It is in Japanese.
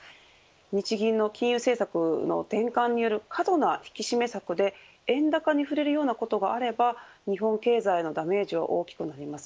日銀の金融政策の転換による過度な引き締め策で、円高に振れるようなことがあれば日本経済のダメージは大きくなります。